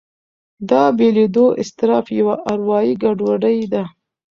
دا بېلېدو اضطراب یوه اروایي ګډوډي ده.